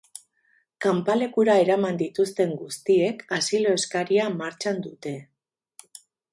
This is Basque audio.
Kanpalekura eraman dituzten guztiek asilo eskaria martxan dute.